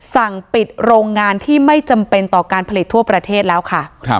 สั่งปิดโรงงานที่ไม่จำเป็นต่อการผลิตทั่วประเทศแล้วค่ะ